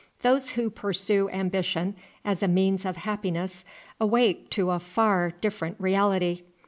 Those who pursue ambition as a means of happiness awake to a far different reality.